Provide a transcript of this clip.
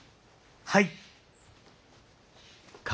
はい。